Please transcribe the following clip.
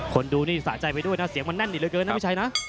คนดูนี่สะใจไปด้วยนะเสียงมันแน่นอีกเหลือเกินนะพี่ชัยนะ